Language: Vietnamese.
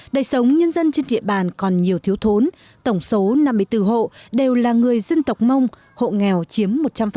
đời sống nhân dân trên địa bàn còn nhiều thiếu thốn tổng số năm mươi bốn hộ đều là người dân tộc mông hộ nghèo chiếm một trăm linh